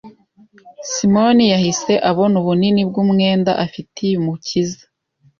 Simoni yahise abona ubunini bw'umwenda afitiye Umukiza